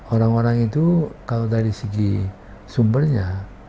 orang orang itu kalau dari segi sumbernya